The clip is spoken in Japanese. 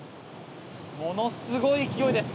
ものすごい勢いです。